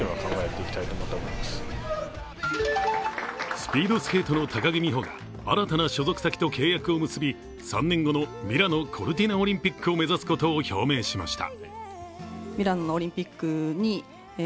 スピードスケートの高木美帆が新たな所属先と契約を結び３年後のミラノ・コルティナオリンピックを目指すことを表明しました。